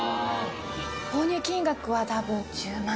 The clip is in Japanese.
購入金額はたぶん１０万